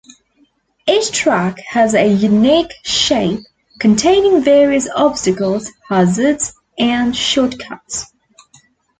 Each track has a unique shape, containing various obstacles, hazards, and short-cuts.